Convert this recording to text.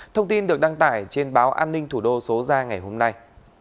thông tin được đăng tải trên báo an ninh thủ đô số ra ngày hôm nay